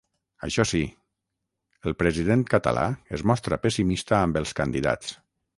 Això sí, el president català es mostra pessimista amb els candidats.